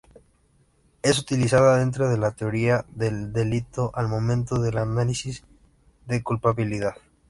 Es utilizada dentro de la teoría del delito al momento del análisis de culpabilidad.